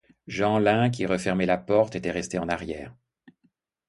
Jeanlin, qui refermait la porte, était resté en arrière.